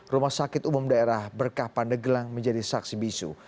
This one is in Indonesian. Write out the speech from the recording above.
rumah sakit umum daerah berkah pandeglang menjadi saksi bisu